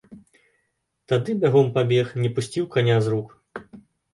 Тады бягом пабег, не пусціў каня з рук.